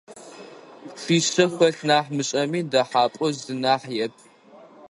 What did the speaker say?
Пчъишъэ хэлъ нахь мышӀэми, дэхьапӀэу зы нахь иӀэп.